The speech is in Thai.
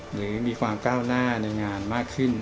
หรือมีความก้าวหน้าในงานมากขึ้น